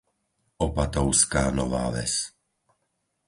Opatovská Nová Ves